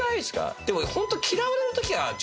でもホント。